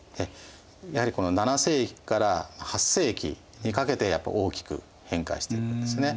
やはり７世紀から８世紀にかけて大きく変化していくんですね。